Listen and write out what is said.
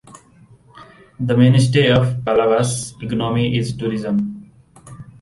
The mainstay of Palavas' economy is tourism.